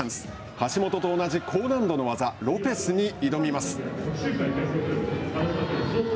橋本と同じ、高難度の技、ロペスに挑みます。